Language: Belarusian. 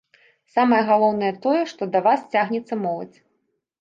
Самае галоўнае тое, што да вас цягнецца моладзь!